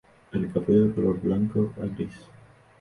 El capullo es de color blanco a gris.